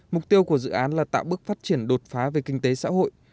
mục tiêu của dự án là tạo bước phát triển đột phá về kinh tế xã hội